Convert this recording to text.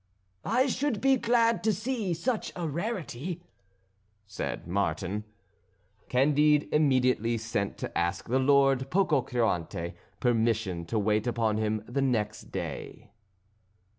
"I should be glad to see such a rarity," said Martin. Candide immediately sent to ask the Lord Pococurante permission to wait upon him the next day.